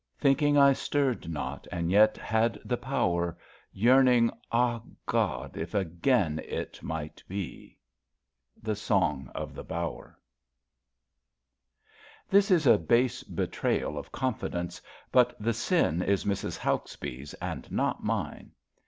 Thinking I stirred not and yet had the power. Yearning — ah> God, if again it might be! — The Song of the Bower* rilHIS is a base betrayal of confidence, but the ■ sin is Mrs. Hauksbee^s and not mine.